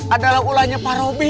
adalah ulangnya pak robi